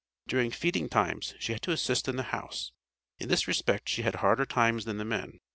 During "feeding times" she had to assist in the house. In this respect, she had harder times than the men.